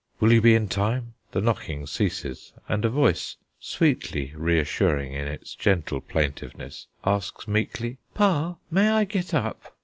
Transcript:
Will you be in time? The knocking ceases, and a voice, sweetly reassuring in its gentle plaintiveness, asks meekly: "Pa, may I get up?"